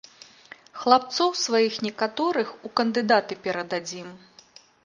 Хлапцоў сваіх некаторых у кандыдаты перададзім.